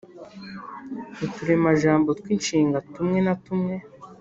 uturemajambo tw’inshinga tumwe na tumwe